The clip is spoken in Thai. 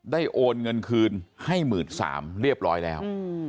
โอนเงินคืนให้๑๓๐๐เรียบร้อยแล้ว